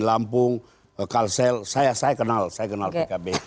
lampung kalsel saya kenal pkb